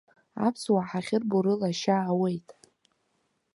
Аԥсуаа ҳахьырбо рыла ашьа аауеит.